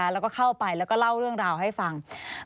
แล้วก็เข้าไปแล้วก็เล่าเรื่องราวให้ฟัง